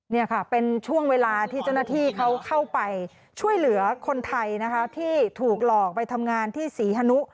นี่ค่ะเป็นช่วงเวลาที่เจ้าหน้าที่เขาเข้าไปช่วยเหลือคนไทยนะคะที่ถูกหลอกไปทำงานที่ศรีฮนุ